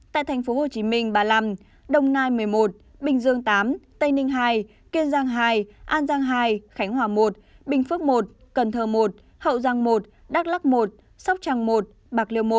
tại tp hcm ba mươi năm đồng nai một mươi một bình dương viii tây ninh hai kiên giang hai an giang hai khánh hòa một bình phước một cần thơ một hậu giang một đắk lắc một sóc trăng một bạc liêu một